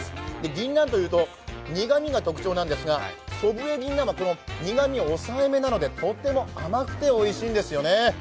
ぎんなんというと苦みが特徴なんですが、祖父江ぎんなんはこの苦みを抑え気味なので甘くておいしいんですね。